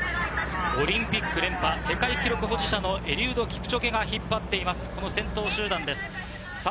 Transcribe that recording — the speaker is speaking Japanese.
オリンピック連覇、世界記録保持者のエリウド・キプチョゲが引っ張っています、先頭集団です。